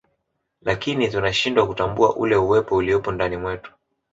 lakini tunashindwa kutambua ule uwezo uliopo ndani mwetu